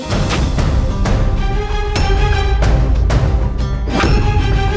selamat mengelami kepadaku